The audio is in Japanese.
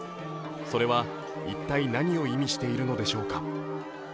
それは一体何を意味しているのでしょうか。